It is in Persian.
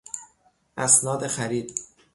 اسناد خرید